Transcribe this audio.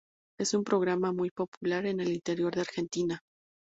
Es un programa muy popular en el interior de Argentina.